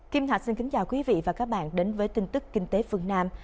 kim thạch xin kính chào quý vị và các bạn đến với tin tức kinh tế phương nam